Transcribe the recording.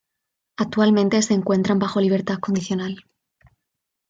Actualmente se encuentran bajo libertad condicional.